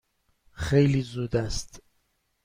خیلی زود است.